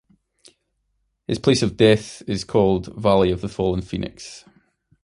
His place of death is called "Valley of the Fallen Phoenix".